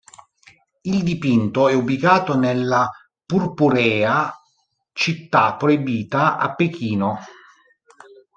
Il dipinto è ubicato nella Purpurea Città Proibita a Pechino.